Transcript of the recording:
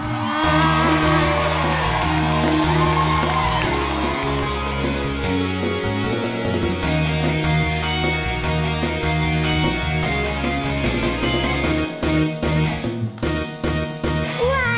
เอาไปกัน